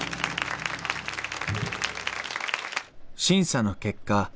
審査の結果